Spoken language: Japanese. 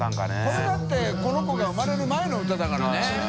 これだってこの子が生まれる前の歌だからね。）